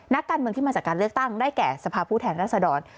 นักการเมืองที่มาจากการเลือกตั้งได้แก่สภาพผู้แทนรัศดร